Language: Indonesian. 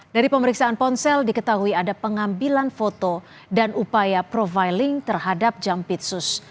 dari pemeriksaan ponsel diketahui ada pengambilan foto dan upaya profiling terhadap jampitsus